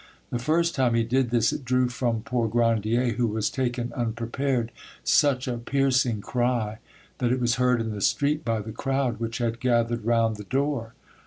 The first time he did this it drew from poor Grandier, who was taken unprepared, such a piercing cry that it was heard in the street by the crowd which had gathered round the door.